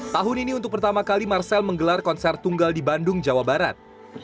tahun ini untuk pertama kali marcel menggelar konser tunggal di bandung jawa barat